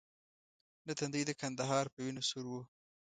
نه تندی د کندهار په وینو سور وو.